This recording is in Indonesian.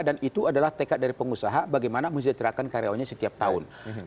dan itu adalah tekad dari pengusaha bagaimana menjadikan karyawannya setiap tahun